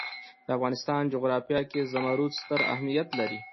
د افغانستان جغرافیه کې زمرد ستر اهمیت لري.